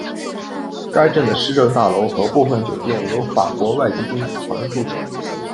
该镇的市政大楼和部分酒店有法国外籍兵团驻守。